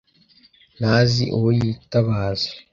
ntazi uwo yitabaza.